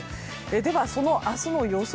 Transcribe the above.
では、明日の予想